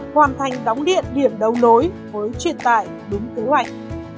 hoàn thành đóng điện điện đầu nối với truyền tài đúng tư hoạch